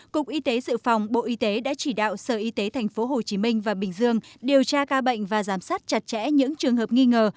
cục y tế dự phòng bộ y tế đã chỉ đạo sở y tế tp hcm và bình dương điều tra ca bệnh và giám sát chặt chẽ những trường hợp nghi ngờ